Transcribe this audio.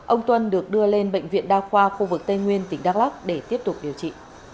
ông tuân được đưa lên bệnh viện đa khoa khu vực tây nguyên tỉnh đắk lắc để tiếp tục điều trị